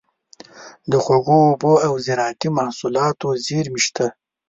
د خوږو اوبو او زارعتي محصولاتو زیرمې شته.